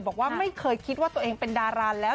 บอกว่าไม่เคยคิดว่าตัวเองเป็นดาราแล้ว